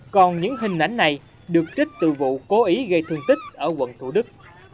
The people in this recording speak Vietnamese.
còn những hình ảnh này được trích từ vụ cố ý gây thương tích ở quận thủ đức